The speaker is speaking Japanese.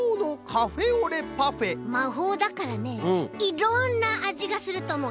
まほうだからねいろんなあじがするとおもう。